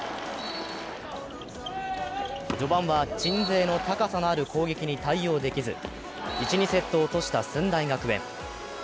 序盤は、鎮西の高さのある攻撃に対応できず、１・２セットを落とした駿台学園。